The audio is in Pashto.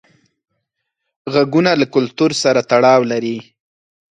غږونه له کلتور سره تړاو لري.